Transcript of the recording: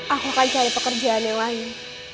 aku akan cari pekerjaan yang lain